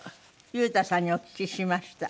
優汰さんにお聞きしました。